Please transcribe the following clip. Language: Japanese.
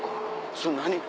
それ何？